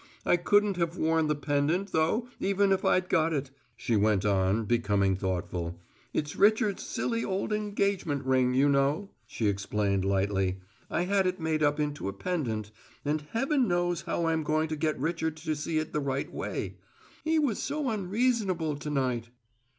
I couldn't have worn the pendant, though, even if I'd got it," she went on, becoming thoughtful. "It's Richard's silly old engagement ring, you know," she explained, lightly. "I had it made up into a pendant, and heaven knows how I'm going to get Richard to see it the right way. He was so unreasonable tonight."